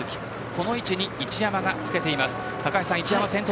この位置に一山がつけています。